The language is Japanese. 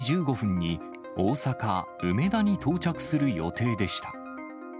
きょう午前７時１５分に、大阪・梅田に到着する予定でした。